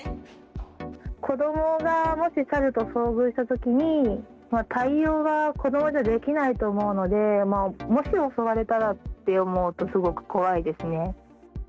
子どもがもし猿と遭遇したときに、対応が子どもじゃできないと思うので、もし襲われたらって思うと、すごく怖いですね。